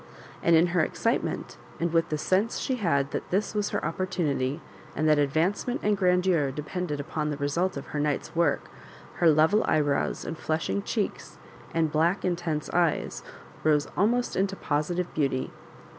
And in her excitement, and with the sense she had that this was her opportunity, and that advancement and grandeur depended upon the result of her night's work, her level eyebrows, and flushing cheeks, and black intense eyes, rose almost into positive beauty.